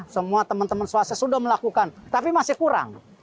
semua teman teman swasta sudah melakukan tapi masih kurang